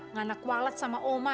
nganak walet sama oma